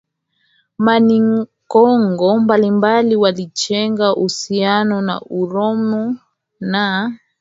Manikongo mbalimbali walijenga uhusiano na Ureno na